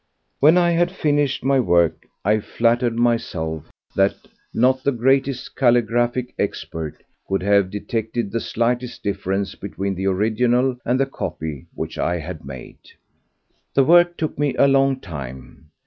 When I had finished my work I flattered myself that not the greatest calligraphic expert could have detected the slightest difference between the original and the copy which I had made. The work took me a long time.